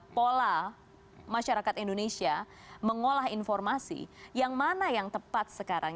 pola masyarakat indonesia mengolah informasi yang mana yang tepat sekarang